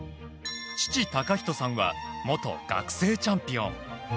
父・孝人さんは元学生チャンピオン。